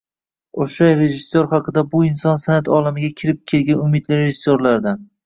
O‘sha rejissyor haqida “Bu inson san’at olamiga kirib kelgan umidli rejissyorlardan